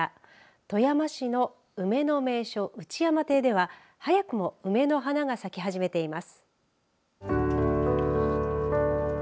富山市の梅の名所、内山邸では早くも梅の花が咲き始めています。